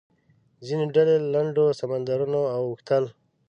ځینې ډلې له لنډو سمندرونو اوښتل.